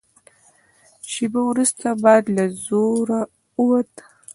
شېبه وروسته باد له زوره ووت.